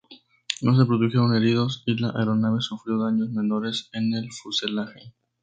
No se produjeron heridos y la aeronave sufrió daños menores en el fuselaje.